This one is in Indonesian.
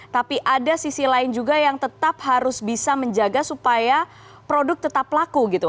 tapi ada sisi lain juga yang tetap harus bisa menjaga supaya produk tetap laku gitu